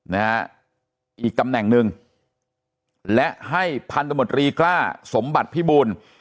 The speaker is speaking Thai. นะฮะอีกตำแหน่งหนึ่งและให้พันธมตรีกล้าสมบัติพิบูล